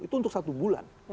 itu untuk satu bulan